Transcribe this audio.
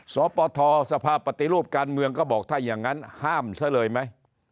สปทสภาพปฏิรูปการเมืองก็บอกถ้าอย่างนั้นห้ามซะเลยไหม